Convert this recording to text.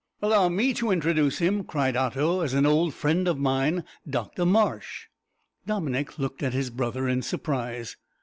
'" "Allow me to introduce him," cried Otto, "as an old friend of mine Dr Marsh." Dominick looked at his brother in surprise.